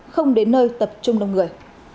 không đến nơi tập trung đông người